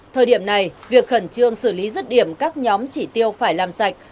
thời điểm này việc khẩn trương xử lý rứt điểm các nhóm chỉ tiêu phải làm sạch